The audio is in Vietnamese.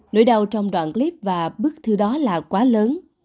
nỗi đau trong đoạn clip và bức thư đó là quá lớn